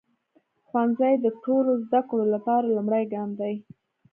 ښوونځی د ټولو زده کړو لپاره لومړی ګام دی.